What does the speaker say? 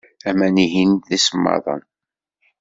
Aman-ihin d isemmaḍen.